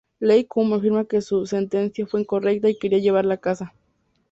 Lei Kung afirma que su sentencia fue incorrecta y quería llevarla a casa.